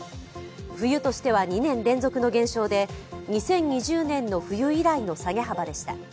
冬としては２年連続の減少で２０２０年の冬以来の下げ幅でした。